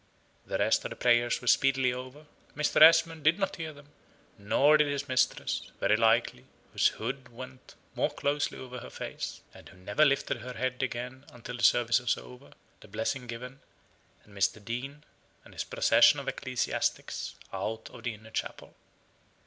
The rest of the prayers were speedily over; Mr. Esmond did not hear them; nor did his mistress, very likely, whose hood went more closely over her face, and who never lifted her head again until the service was over, the blessing given, and Mr. Dean, and his procession of ecclesiastics, out of the inner chapel.